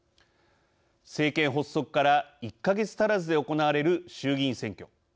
政権発足から１か月足らずで行われる衆議院選挙。